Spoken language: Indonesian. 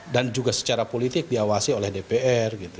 dan juga secara politik diawasi oleh dpr